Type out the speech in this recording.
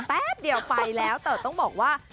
แป๊บเดียวไปแล้วแต่ต้องบอกว่า